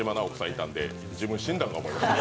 いたんで自分、死んだんかと思いました。